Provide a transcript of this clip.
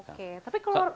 oke tapi keluar